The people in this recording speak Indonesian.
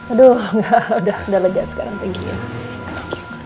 aduh udah lejat sekarang thank you ya